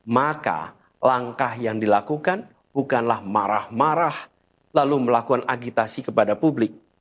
maka langkah yang dilakukan bukanlah marah marah lalu melakukan agitasi kepada publik